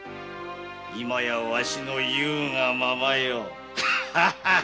今やわしの言うがままよハハハ。